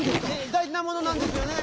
大じなものなんですよね？